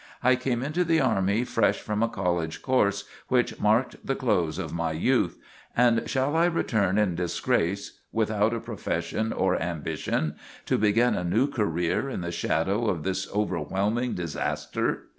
I came into the army fresh from a college course which marked the close of my youth; and shall I return in disgrace, without a profession or ambition, to begin a new career in the shadow of this overwhelming disaster?